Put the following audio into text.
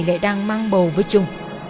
lại đang mang bầu với trung